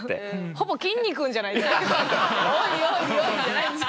ほぼきんに君じゃないですか。